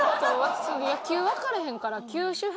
野球わからへんから。